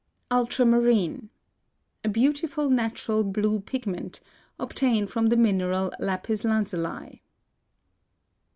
ULTRAMARINE. A beautiful natural blue pigment, obtained from the mineral lapis lazuli.